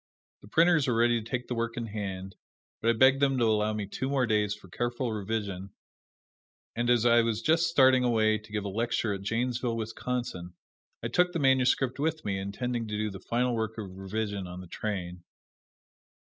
The printers were ready to take the work in hand, but I begged them to allow me two more days for careful revision; and as I was just starting away to give a lecture at Janesville, Wisconsin, I took the manuscript with me, intending to do the final work of revision on the train.